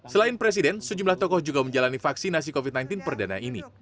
selain presiden sejumlah tokoh juga menjalani vaksinasi covid sembilan belas perdana ini